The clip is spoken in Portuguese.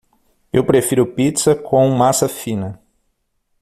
Eu prefiro pizza com massa fina.